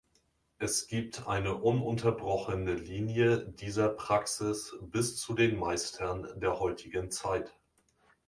Es gibt eine ununterbrochene Linie dieser Praxis bis zu den Meistern der heutigen Zeit.